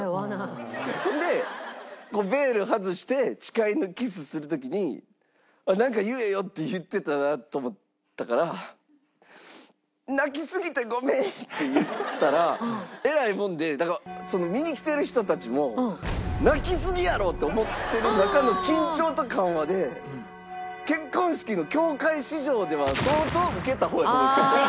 でベール外して誓いのキスする時に「なんか言えよ」って言ってたなと思ったから「泣きすぎてごめん」って言ったらえらいもんで見に来てる人たちも泣きすぎやろって思ってる中の緊張と緩和で結婚式の教会史上では相当ウケた方やと思うんですよ。